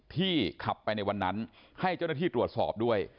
ที่ขับไปในวันนั้นให้เจ้าหน้าที่ตรวจสอบด้วย